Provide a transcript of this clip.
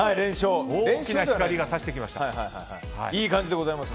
大きな光が差してきました。